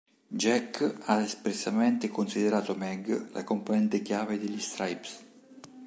Jack ha espressamente considerato Meg la componente chiave degli Stripes.